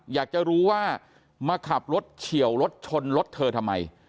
อยากจะรู้ว่ามาขับรถเฉียวรถชนรถเธอทำไม